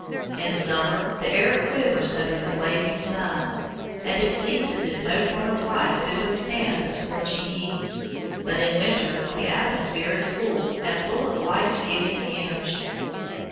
In summer the air quivers under the blazing sun, and it seems as if no form of life could withstand the scorching heat, but in winter the atmosphere is cool and full of life giving energy.